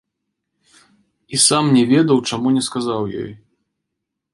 І сам не ведаў, чаму не сказаў ёй.